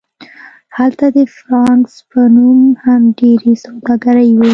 هلته د فرانکس په نوم هم ډیرې سوداګرۍ وې